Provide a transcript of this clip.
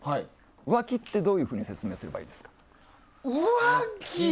浮気ってどういうふうに説明すればいいですか？